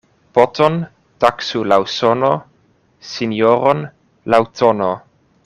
Poton taksu laŭ sono, sinjoron laŭ tono.